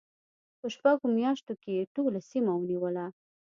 په شپږو میاشتو کې یې ټوله سیمه ونیوله.